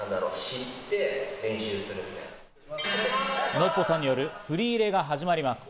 ＮＯＰＰＯさんによる振り入れが始まります。